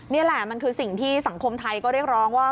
นี่แหละมันคือสิ่งที่สังคมไทยก็เรียกร้องว่า